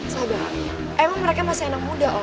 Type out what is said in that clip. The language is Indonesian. sabar emang mereka masih anak muda